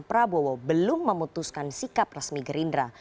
prabowo belum memutuskan sikap resmi gerindra